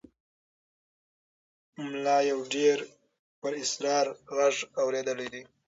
ملا یو ډېر پراسرار غږ اورېدلی دی.